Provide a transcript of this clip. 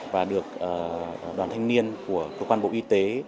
và được đoàn thanh niên của cơ quan bộ y tế